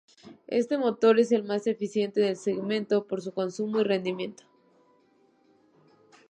Este motor es el más eficiente del segmento por su consumo y rendimiento.